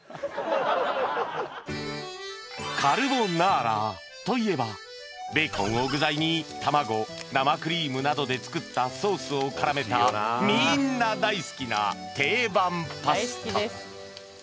カルボナーラといえばベーコンを具材に卵生クリームなどで作ったソースを絡めたみんな大好きな定番パスタ